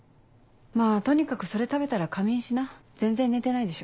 まぁとにかくそれ食べたら仮眠しな全然寝てないでしょ。